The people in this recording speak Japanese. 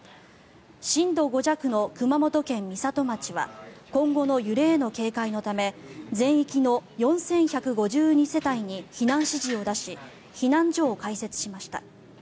震度５弱の熊本県美里町は今後の揺れへの警戒のため全域の４１５２世帯に避難指示を出し避難所を開設しました。